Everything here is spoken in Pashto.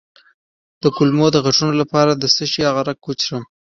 د کولمو د غږونو لپاره د څه شي عرق وڅښم؟